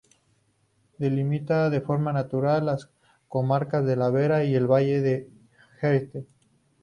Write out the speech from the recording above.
Delimita de forma natural las comarcas de la Vera y el valle del Jerte.